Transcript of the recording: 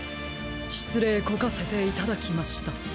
しつれいこかせていただきました。